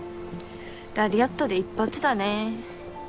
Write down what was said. ラリアットで一発だね。